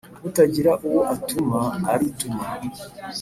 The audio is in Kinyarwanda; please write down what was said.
Utagira uwo atuma arituma.